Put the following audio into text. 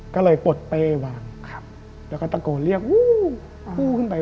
ก็เลยปลดเป้วางแล้วก็ตะโกนเรียกกู้ขึ้นไป